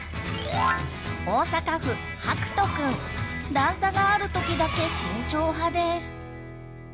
段差がある時だけ慎重派です。